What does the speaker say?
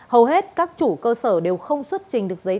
hầu hết các chủ cơ sở đều không xuất trình được giấy tờ